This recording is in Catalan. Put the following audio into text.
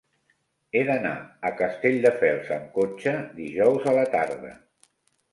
He d'anar a Castelldefels amb cotxe dijous a la tarda.